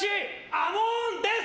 アモーンです！